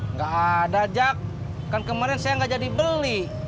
nggak ada jak kan kemarin saya nggak jadi beli